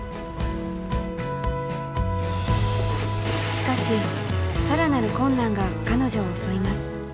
しかし更なる困難が彼女を襲います。